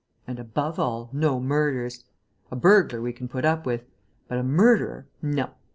And, above all, no murders! A burglar we can put up with; but a murderer, no!